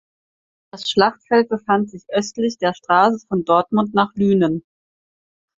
Das Schlachtfeld befand sich östlich der Straße von Dortmund nach Lünen.